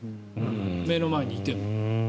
目の前にいても。